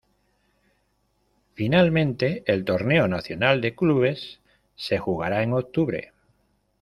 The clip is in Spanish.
Finalmente, el Torneo Nacional de Clubes se jugará en octubre.